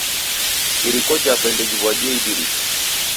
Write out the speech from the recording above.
Iriko jape ndejiw'adie idirisha!